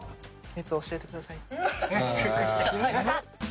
秘密を教えてください。